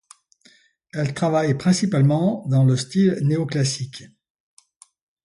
Elle travaille principalement dans le style néoclassique.